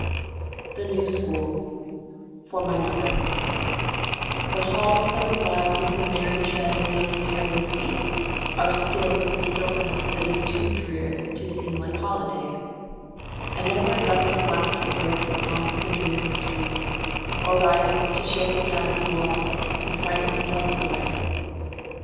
The New School (For My Mother) The halls that were loud with the merry tread of young and careless feet Are still with a stillness that is too drear to seem like holiday, And never a gust of laughter breaks the calm of the dreaming street Or rises to shake the ivied walls and frighten the doves away.